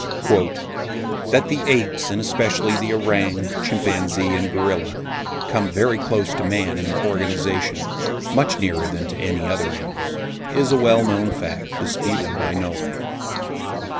"That the apes, and especially the orang, chimpanzee and gorilla, come very close to man in their organisation, much nearer than to any other animal, is a well known fact, disputed by nobody.